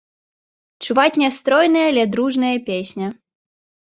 Чуваць нястройная, але дружная песня.